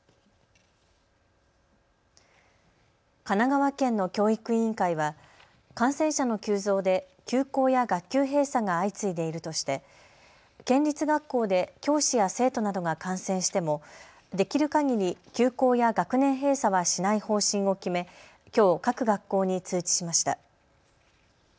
神奈川県の教育委員会は感染者の急増で休校や学級閉鎖が相次いでいるとして県立学校で教師や生徒などが感染してもできるかぎり休校や学年閉鎖はしない方針を決めきょう各学校に通知しました。